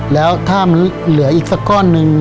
แล้วถ้ามันเหลืออีกสักก้อนหนึ่ง